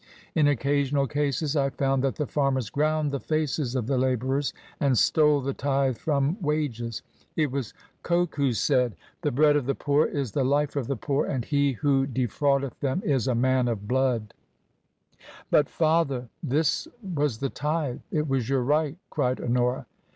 In occasional cases I found that the farmers ground the faces of the labourers, and stole the tithe from wages. It was Coke who said, ' The bread of the poor is the life of the poor ; and he who de fraudeth them is a man of blood f " 32 TRANSITION. " But, father ! This was the Tithe. It was your right !" cried Honora.